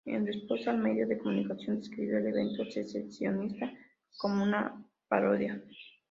En respuesta, el medio de comunicación describió el evento "secesionista" como una "parodia".